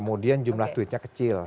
kemudian jumlah tweetnya kecil